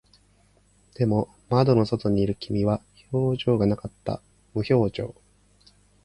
でも、窓の外にいる君は表情がなかった。無表情。